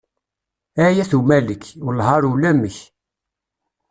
Ay at Umalek, welleh ar ulamek.